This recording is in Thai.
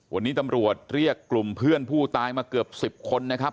วันนี้ตำรวจเรียกกลุ่มเพื่อนผู้ตายมาเกือบ๑๐คนนะครับ